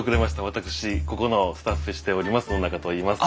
私ここのスタッフしております野中といいます。